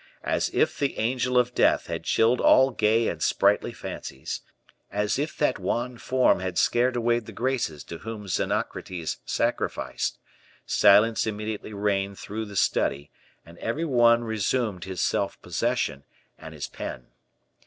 As if the angel of death had chilled all gay and sprightly fancies as if that wan form had scared away the Graces to whom Xenocrates sacrificed silence immediately reigned through the study, and every one resumed his self possession and his pen.